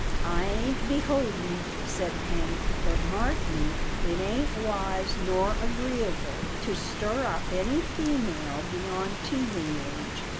" I ain't beholden," said Hank, " but mark me, it ain't wise nor agreeable to stir up any female beyond teething age.